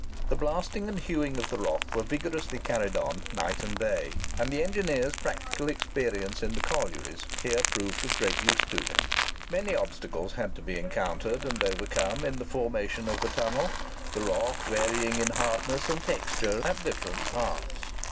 The blasting and hewing of the rock were vigorously carried on night and day; and the engineer's practical experience in the collieries here proved of great use to him. Many obstacles had to be encountered and overcome in the formation of the tunnel, the rock varying in hardness and texture at different parts.